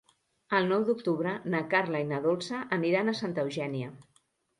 El nou d'octubre na Carla i na Dolça aniran a Santa Eugènia.